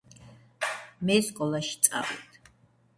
მე სკოლაში წავედ